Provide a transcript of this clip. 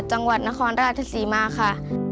จังหวัดนครราชศรีมาค่ะ